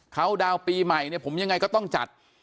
เขาดาวน์ปีใหม่เนี่ยผมยังไงก็ต้องจัด